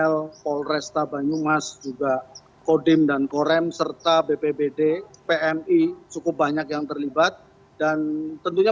l polresta banyumas juga kodim dan korem serta bpbd pmi cukup banyak yang terlibat dan tentunya